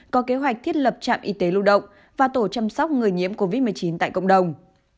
có kế hoạch thiết lập trạm y tế lưu động và tổ chăm sóc người nhiễm covid một mươi chín tại cộng đồng